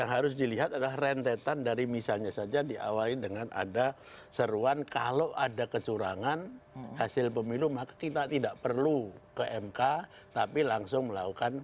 yang harus dilihat adalah rentetan dari misalnya saja diawali dengan ada seruan kalau ada kecurangan hasil pemilu maka kita tidak perlu ke mk tapi langsung melakukan